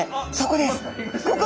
ここです！